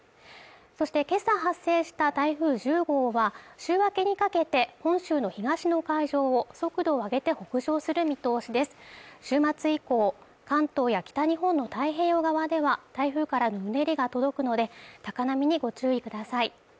そして今朝発生した台風１０号は週明けにかけて本州の東の海上を速度を上げて北上する見通しです週末以降関東や北日本の太平洋側では台風からのうねりが届くのでた高波にご注意ください